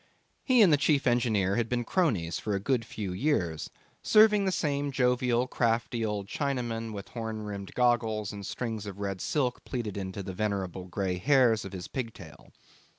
He and the chief engineer had been cronies for a good few years serving the same jovial, crafty, old Chinaman, with horn rimmed goggles and strings of red silk plaited into the venerable grey hairs of his pigtail.